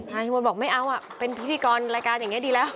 ลุงพลบอกไม่เอาเป็นพิธีกรรายการอย่างนี้ดีแล้ว